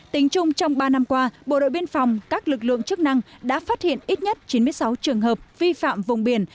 tính chung trong ba năm qua bộ đội biên phòng các lực lượng chức năng đã phát hiện ít nhất chín mươi sáu trường hợp vi phạm vùng biển